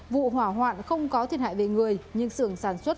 vụ hỏa hoạn không có thiệt hại về người nhưng xưởng sản xuất